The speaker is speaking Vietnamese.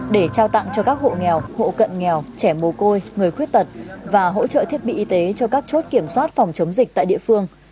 để trao tặng cho các hộ nghèo hộ cận nghèo trẻ mồ côi người khuyết tật và hỗ trợ thiết bị y tế cho các chốt kiểm soát phòng chống dịch tại địa phương